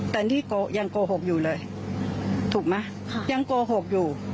แต่นี่ยังโกหกอยู่เลยถูกไหมยังโกหกอยู่